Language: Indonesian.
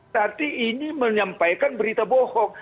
tapi ini menyampaikan berita bohong